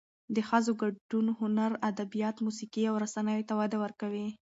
د ښځو ګډون هنر، ادبیات، موسیقي او رسنیو ته وده ورکوي.